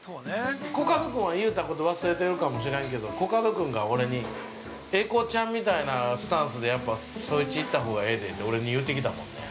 コカド君は、言うたこと忘れてるかもしれんけど、コカド君が俺に、英孝ちゃんみたいなスタンスで創一行ったほうがええでって、俺に言って言うてきたもんね。